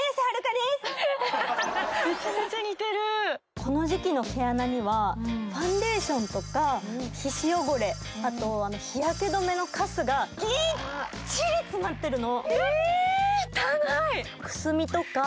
この時期の毛穴にはファンデーションとか皮脂汚れ、日焼け止めのかすがぎっちり詰まってるの。